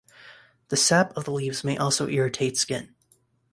The sap of the leaves may also irritate skin.